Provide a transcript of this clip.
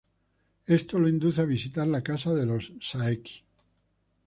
Esto lo induce a visitar la casa de los Saeki.